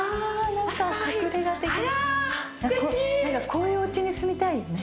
こういうお家に住みたいよね。